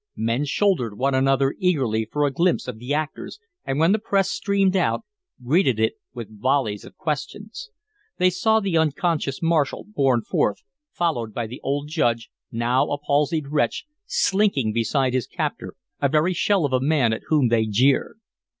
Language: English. Men shouldered one another eagerly for a glimpse of the actors, and when the press streamed out, greeted it with volleys of questions. They saw the unconscious marshal borne forth, followed by the old Judge, now a palsied wretch, slinking beside his captor, a very shell of a man at whom they jeered.